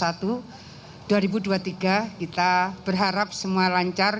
satu dua ribu dua puluh tiga kita berharap semua lancar